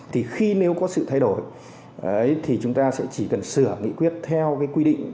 thì khi nếu có sự thay đổi thì chúng ta sẽ chỉ cần sửa nghị quyết theo cái quy định